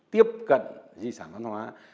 tiếp cận di sản văn hóa